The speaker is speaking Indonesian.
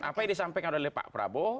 apa yang disampaikan oleh pak prabowo